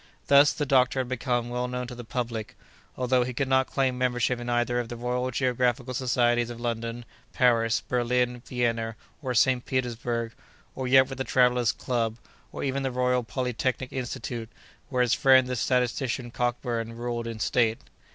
Thus, the doctor had become well known to the public, although he could not claim membership in either of the Royal Geographical Societies of London, Paris, Berlin, Vienna, or St. Petersburg, or yet with the Travellers' Club, or even the Royal Polytechnic Institute, where his friend the statistician Cockburn ruled in state.